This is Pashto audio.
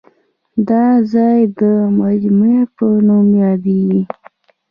دا ځای د مجمع په نوم یادېږي.